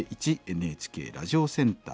ＮＨＫラジオセンター